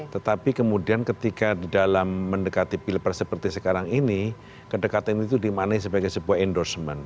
tetapi kemudian ketika di dalam mendekati pilpres seperti sekarang ini kedekatan itu dimanai sebagai sebuah endorsement